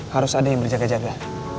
harus ada yang berjaga jaga